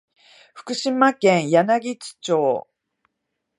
福島県柳津町